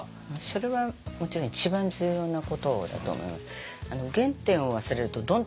それはもちろん一番重要なことだと思います。